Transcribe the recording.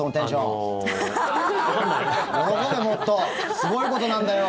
すごいことなんだよ！